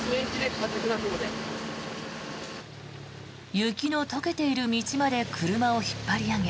雪の解けている道まで車を引っ張り上げ